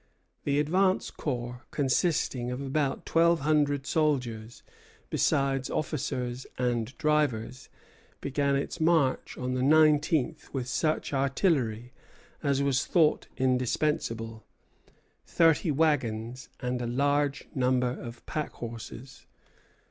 The advance corps, consisting of about twelve hundred soldiers, besides officers and drivers, began its march on the nineteenth with such artillery as was thought indispensable, thirty wagons, and a large number of packhorses.